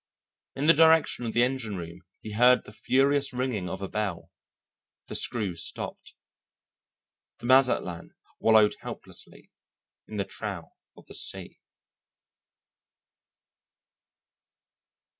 In the direction of the engine room he heard the furious ringing of a bell. The screw stopped. The Mazatlan wallowed helplessly in the trough of the sea.